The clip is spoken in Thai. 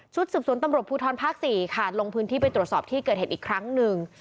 สืบสวนตำรวจภูทรภาค๔ค่ะลงพื้นที่ไปตรวจสอบที่เกิดเหตุอีกครั้งหนึ่ง